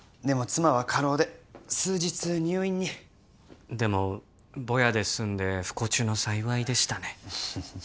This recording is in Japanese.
妻は過労で数日入院にでもボヤですんで不幸中の幸いでしたね